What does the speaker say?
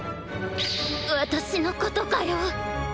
私のことかよ！